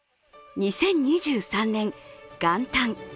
２０２３年元旦。